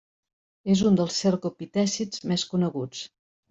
És un dels cercopitècids més coneguts.